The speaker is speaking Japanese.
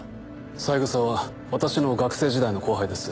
三枝は私の学生時代の後輩です。